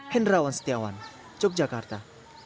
hendra wan setiawan yogyakarta